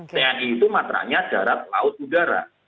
tni itu matranya darat laut udara